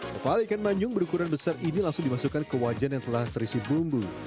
kepala ikan manyung berukuran besar ini langsung dimasukkan ke wajan yang telah terisi bumbu